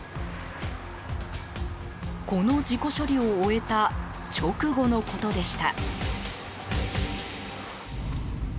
この事故処理を終えた直後のことでした。